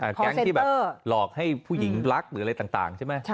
พอเซ็นเตอร์แก๊งที่หลอกให้ผู้หญิงรักหรืออะไรต่างใช่ไหม